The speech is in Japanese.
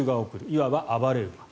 いわば暴れ馬。